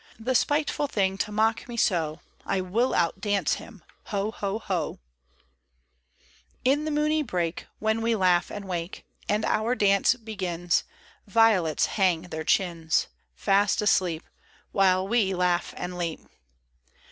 The spiteful thing to mock me so I I will outdance him ! Ho, ho, ho I IN the moony brake, When we laugh and wake, And our dance begins, Violets hang their chins. Fast asleep ; While we laugh and leap.